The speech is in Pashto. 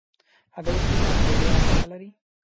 هګۍ سپینه او ژېړه برخه لري.